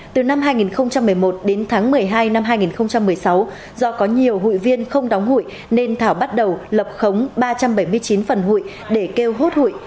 từ năm hai nghìn một mươi một đến tháng một mươi hai năm hai nghìn một mươi sáu do có nhiều hụi viên không đóng hụi nên thảo bắt đầu lập khống ba trăm bảy mươi chín phần hụi để kêu hốt hụi